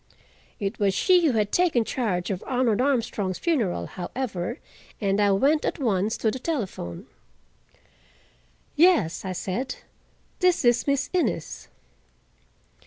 It was she who had taken charge of Arnold Armstrong's funeral, however, and I went at once to the telephone. "Yes," I said, "this is Miss Innes."